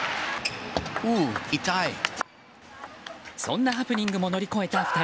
そんなハプニングも乗り越えた２人。